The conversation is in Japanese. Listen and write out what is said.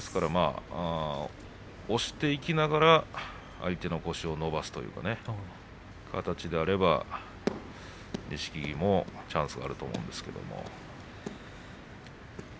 押していきながら相手の腰を伸ばすという形であれば錦木もチャンスがくると思います。